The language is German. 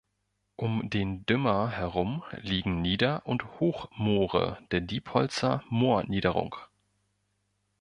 Um den Dümmer herum liegen Nieder- und Hochmoore der Diepholzer Moorniederung.